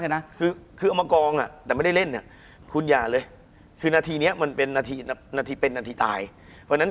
คุณผู้ชมบางท่าอาจจะไม่เข้าใจที่พิเตียร์สาร